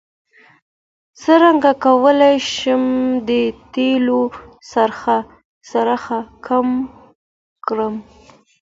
څنګه کولی شم د تیلو خرڅ کم کړم